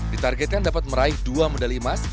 ditargetkan dapat meraih dua medali emas